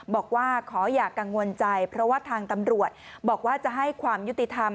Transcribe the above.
บอกว่าขออย่ากังวลใจเพราะว่าทางตำรวจบอกว่าจะให้ความยุติธรรม